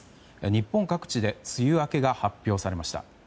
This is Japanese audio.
日本各地で梅雨明けが発表されました。